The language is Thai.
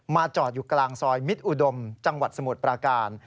จอดอยู่กลางซอยมิตรอุดมจังหวัดสมุทรปราการ